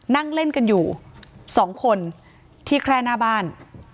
นั่งเล่นกันอยู่๒คนที่แคร่หน้าบ้าน